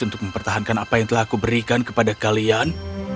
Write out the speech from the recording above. untuk mempertahankan apa yang telah aku berikan kepada kalian